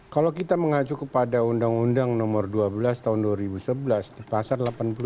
kalau kita mengacu kepada undang undang nomor dua belas tahun dua ribu sebelas di pasar delapan puluh dua